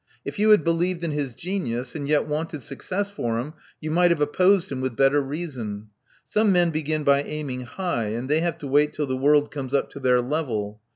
If youTiad believed in his genius, and yet wanted suc cess for him, you might have opposed him with better reason. Some men begin by aiming high, and they have to wait till the world comes up to their level.